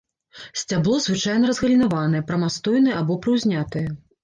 Сцябло звычайна разгалінаванае, прамастойнае або прыўзнятае.